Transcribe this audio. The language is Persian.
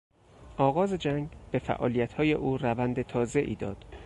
آغاز جنگ به فعالیتهای او روند تازهای داد.